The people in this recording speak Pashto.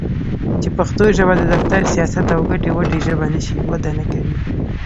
چې پښتو ژبه د دفتر٬ سياست او ګټې وټې ژبه نشي؛ وده نکوي.